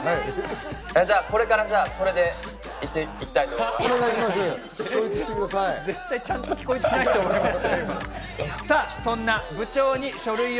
じゃあこれからそれで行きたいと思います。